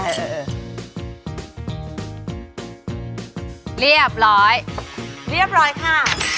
เรียบร้อยเรียบร้อยค่ะ